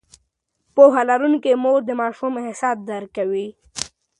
پوهه لرونکې مور د ماشوم احساسات درک کوي.